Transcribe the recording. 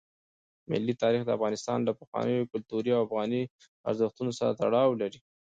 ملي تاریخ د افغانستان له پخوانیو کلتوري او افغاني ارزښتونو سره تړاو لري.